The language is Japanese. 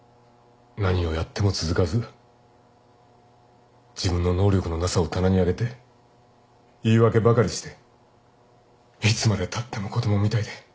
何をやっても続かず自分の能力のなさを棚に上げて言い訳ばかりしていつまでたっても子供みたいで。